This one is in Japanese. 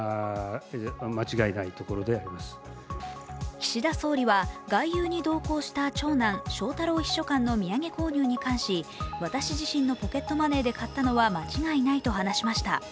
岸田総理は外遊に同行した長男、翔太郎秘書官の土産購入に関し、私自身のポケットマネーで買ったのは間違いないと話しました。